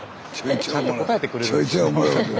ちゃんと答えてくれるんですよ。